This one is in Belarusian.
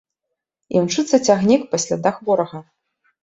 Імчыцца цягнік па слядах ворага.